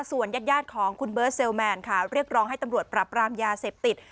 ส่วนญาติของคุณเบิร์ตเซลแมนค่ะเรียกร้องให้ตำรวจปรับรามยาเสพติด